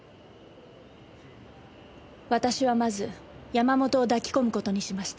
私はまず山本を抱き込む事にしました。